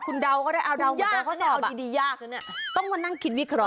ตอนนี้ยากนะเนี่ยต้องมานั่งคิดวิเคราะห์